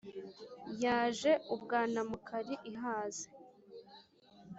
Yaje u Bwanamukari ihaze,